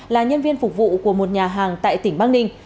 là nhân viên phục vụ của một nhà hàng tại tỉnh bắc ninh